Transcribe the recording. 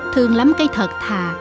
thương lắm cây thật thà